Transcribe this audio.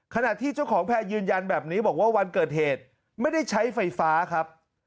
ขณะที่เจ้าของแพร่ยืนยันแบบนี้บอกว่าวันเกิดเหตุไม่ได้ใช้ไฟฟ้าครับ